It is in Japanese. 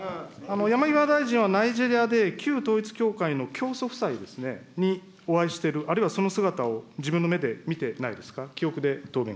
山際大臣はナイジェリアで、旧統一教会の教祖夫妻ですね、お会いしている、あるいはその姿を自分の目で見てないですか。